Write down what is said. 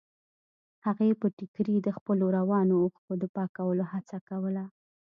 هغې په ټيکري د خپلو روانو اوښکو د پاکولو هڅه کوله.